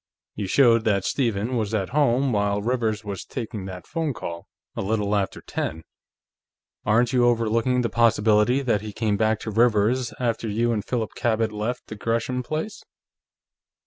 You showed that Stephen was at home while Rivers was taking that phone call, a little after ten. But when you talk about clearing him completely, aren't you overlooking the possibility that he came back to Rivers's after you and Philip Cabot left the Gresham place?"